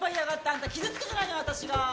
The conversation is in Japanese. あんた傷つくじゃないの私が！